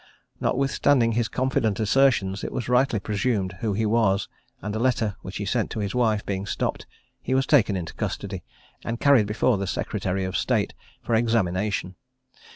Notwithstanding his confident assertions, it was rightly presumed who he was, and a letter which he sent to his wife being stopped, he was taken into custody, and carried before the secretary of state for examination.